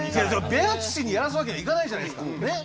ベアツシにやらすわけにはいかないじゃないっすか。ね。